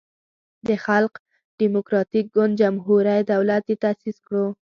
د خلق دیموکراتیک ګوند جمهوری دولت یی تاسیس کړو.